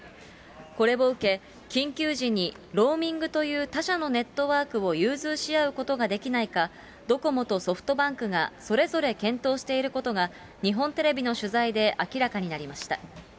これを受け、緊急時にローミングという他社のネットワークを融通し合うことができないか、ドコモとソフトバンクがそれぞれ検討していることが、日本テレビの取材で明らかになりました。